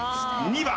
２番！